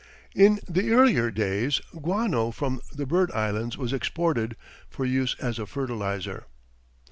In the earlier days, guano from the bird islands was exported, for use as a fertilizer.